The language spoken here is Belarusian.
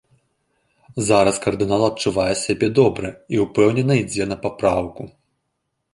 Зараз кардынал адчувае сябе добра і ўпэўнена ідзе на папраўку.